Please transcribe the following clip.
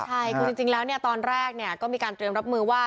ใช่คือจริงแล้วตอนแรกก็มีการเตรียมรับมือว่า